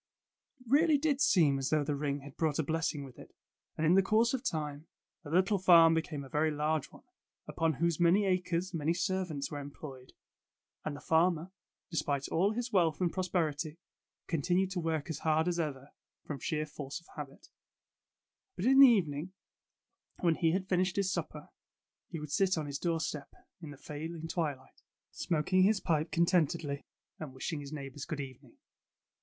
It really did seem as though the ring had brought a blessing with it, and in the course of time, the little farm became a very large one, upon whose many acres many servants were employed. And the farmer, despite all his wealth and prosperity, continued to work as hard as ever, from sheer force of habit. no Tales of Modern Germany But in the evening, when he had finished his supper, he would sit on his doorstep, in the falling twilight, smoking his pipe con tentedly, and wishing his neighbors good evening.